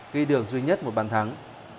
ghi được duy nhất một bàn thắng